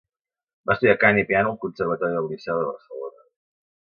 Va estudiar cant i piano al Conservatori del Liceu de Barcelona.